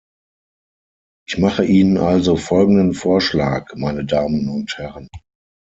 Ich mache Ihnen also folgenden Vorschlag, meine Damen und Herren.